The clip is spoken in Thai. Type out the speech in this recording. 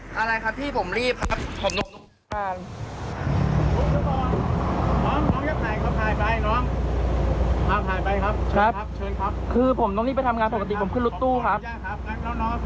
ผมขับรถสองแถวอยู่ครับ